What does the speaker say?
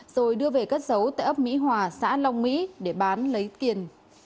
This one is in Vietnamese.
rồi đưa về cất giấu tại ấp mỹ hòa xã long mỹ để bán lấy tiền